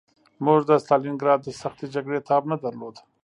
موږ د ستالینګراډ د سختې جګړې تاب نه درلود